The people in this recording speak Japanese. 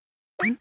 ん？